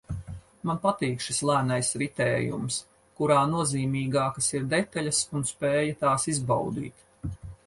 Man patīk šis lēnais ritējums, kurā nozīmīgākas ir detaļas un spēja tās izbaudīt